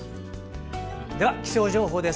では気象情報です。